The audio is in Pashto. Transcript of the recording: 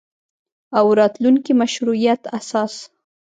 او راتلونکي مشروعیت اساس